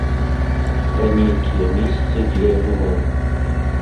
Пра нейкія месцы, дзе я бываў.